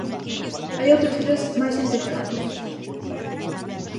Hai outros tres máis infectados.